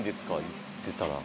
言ってたら。